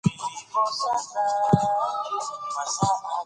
منی د افغانستان د شنو سیمو ښکلا ده.